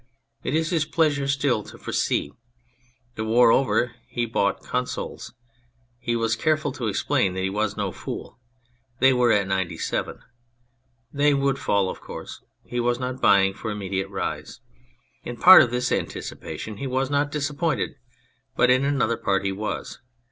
It is his pleasure still to foresee. The war over, he bought Consols. He was careful to explain that he was no fool. They were at 97. They would fall, of course ; he was not buying for immediate rise. In part of this anticipation he was not disappointed, but in another part he was.